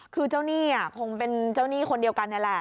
คือเจ้าหนี้คงเป็นเจ้าหนี้คนเดียวกันนี่แหละ